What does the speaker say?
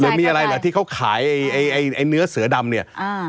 หรือมีอะไรเหรอที่เขาขายเนื้อเสือดำเนี่ย